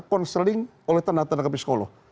konseling oleh tanda tanda kepiskoloh